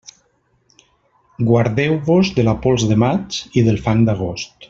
Guardeu-vos de la pols de maig i del fang d'agost.